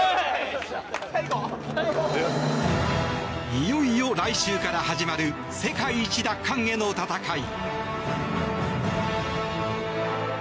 いよいよ来週から始まる世界一奪還への戦い。